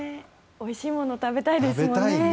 おいしいもの食べたいですもんね。